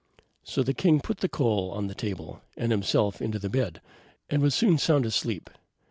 So the king put the coal on the table, and himself into the bed, and was soon sound asleep.